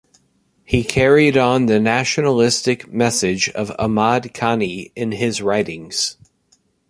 He carried on the nationalistic message of Ahmad Khani in his writings.